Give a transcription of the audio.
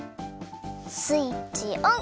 スイッチオン！